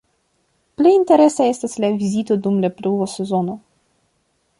Plej interesa estas la vizito dum la pluva sezono.